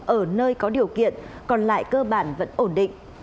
ở nơi có điều kiện còn lại cơ bản vẫn ổn định